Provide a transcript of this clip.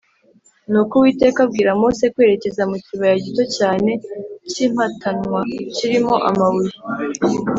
nuko uwiteka abwira mose kwerekeza mu kibaya gito cyane cy’impatanwa kirimo amabuye,